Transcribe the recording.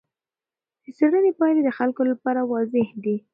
د څېړنې پایلې د خلکو لپاره واضح دي.